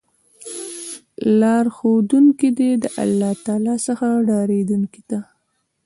لار ښودونکی دی له الله تعالی څخه ډاريدونکو ته